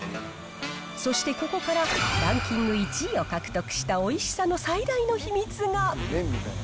そしてここからランキング１位を獲得したおいしさの最大の秘密が。